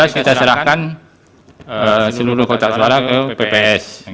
yang kita serahkan seluruh kotak suara yang telah kita lakukan